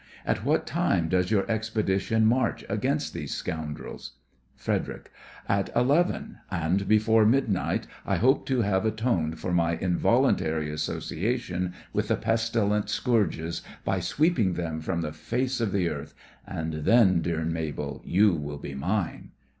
At what time does your expedition march against these scoundrels? FREDERIC: At eleven, and before midnight I hope to have atoned for my involuntary association with the pestilent scourges by sweeping them from the face of the earth— and then, dear Mabel, you will be mine!